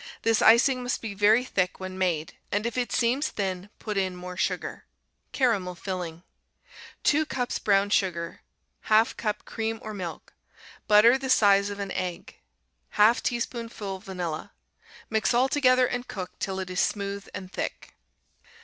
This icing must be very thick when made, and if is seems thin put in more sugar. Caramel Filling 2 cups brown sugar. 1/2 cup cream or milk. Butter the size of an egg. 1/2 teaspoonful vanilla. Mix all together and cook till it is smooth and thick.